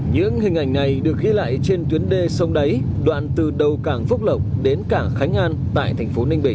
những hình ảnh này được ghi lại trên tuyến đê sông đáy đoạn từ đầu cảng phúc lộc đến cảng khánh an